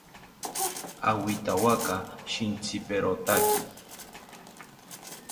Awithawaka shintziperotaki